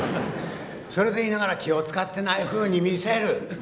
それでいながら気を遣ってないふうに見せる。